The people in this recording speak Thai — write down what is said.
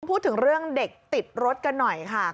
พูดถึงเรื่องเด็กติดรถกันหน่อยค่ะ